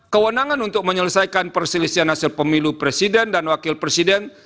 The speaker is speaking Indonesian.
kewenangan untuk menyelesaikan perselisihan hasil pemilu presiden dan wakil presiden